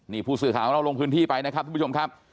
นี่ผู้สื่อข่าวของเราลงพื้นที่ไปนะครับทุกผู้ชมครับ